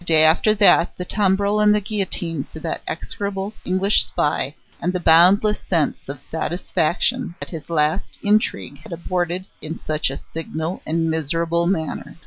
The day after that, the tumbril and the guillotine for that execrable English spy, and the boundless sense of satisfaction that his last intrigue had aborted in such a signal and miserable manner.